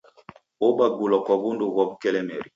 Obagulwa kwa w'undu ghwa w'ukelemeri.